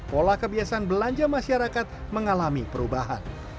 pola kebiasaan belanja masyarakat mengalami perubahan